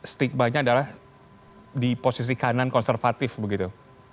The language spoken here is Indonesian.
stigma nya adalah di posisi kanan konservatif begitu